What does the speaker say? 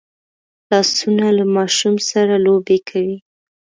لاسونه له ماشوم سره لوبې کوي